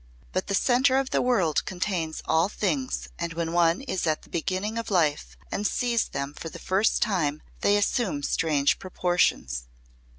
But the centre of the world contains all things and when one is at the beginning of life and sees them for the first time they assume strange proportions.